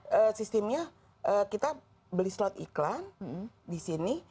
saya lihat di sini kan sistemnya kita beli slot iklan di sini